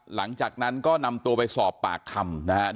หลังจากนั้นก็นำตัวไปสอบปากคำนะครับ